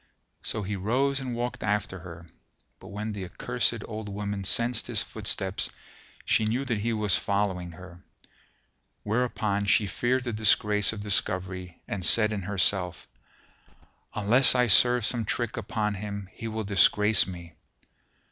So he rose and walked after her; but when the accursed old woman sensed his footsteps, she knew that he was following her: wherefore she feared the disgrace of discovery and said in herself, "Unless I serve some trick upon him he will disgrace me."